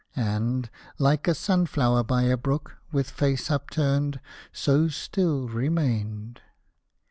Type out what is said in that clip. And — like a sunflower by a brook. With face upturned — so still remained